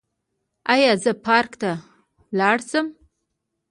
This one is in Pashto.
ایا زه پارک ته لاړ شم؟